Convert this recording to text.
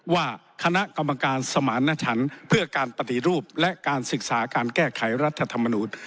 ว่าคณะกรรมการสมารณชันเพื่อการปฏิรูปและการศึกษาการแก้ไขรัฐธรรมนูญ